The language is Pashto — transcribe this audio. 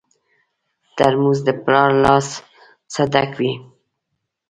ترموز د پلار له لاسه ډک وي.